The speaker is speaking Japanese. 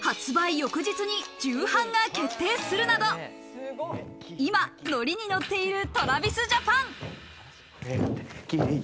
翌日に重版が決定するなど、今、ノリに乗っているＴｒａｖｉｓＪａｐａｎ。